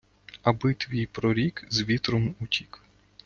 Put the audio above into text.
Аби твій прорік з вітром утік!